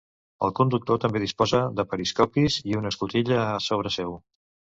El conductor també disposa de periscopis i una escotilla a sobre seu.